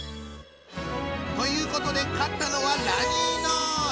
ということで勝ったのはラニーノーズ！